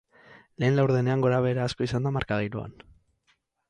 Lehen laurdenean gorabehera asko izan da markagailuan.